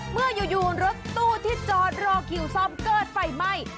เมื่ออยู่รถตู้ที่จอดรอคิวซ่อมเกิดไฟไหม้